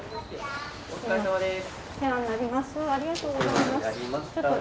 お疲れさまです。